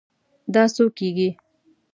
دا څو کیږي؟